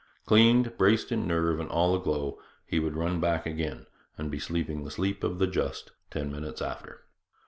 Cleaned, braced in nerve, and all aglow, he would run back again, and be sleeping the sleep of the just ten minutes after.